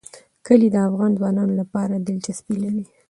کلي د افغان ځوانانو لپاره دلچسپي لري.